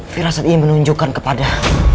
firasat ini menunjukkan kepada